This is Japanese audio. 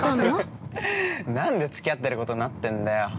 なんでつき合ってることになってんだよ。